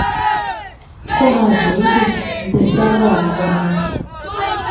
Ko Haji nti:"nze saagala muzanyo"